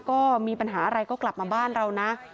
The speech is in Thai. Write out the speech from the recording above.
ก็มีปัญหาอะไรก็กลับมาบ้านเรานะ